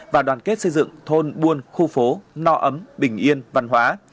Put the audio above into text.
và đoàn kết xây dựng thôn buôn khu phố no ấm bình yên văn hóa